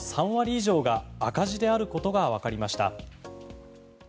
全国の給食事業者の３割以上が赤字であることがわかりました。